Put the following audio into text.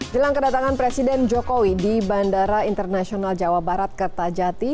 jelang kedatangan presiden jokowi di bandara internasional jawa barat kertajati